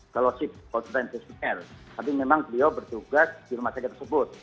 kalau sih konsultan intensive care tapi memang beliau bertugas di rumah sakit tersebut